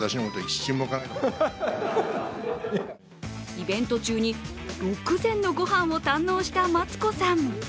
イベント中に６膳のごはんを堪能したマツコさん。